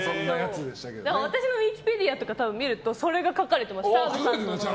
だから私のウィキペディアとか見るとそれが書かれてます。